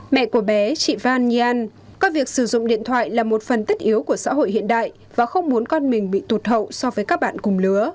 mẹ của bé chị van yan có việc sử dụng điện thoại là một phần tích yếu của xã hội hiện đại và không muốn con mình bị tụt hậu so với các bạn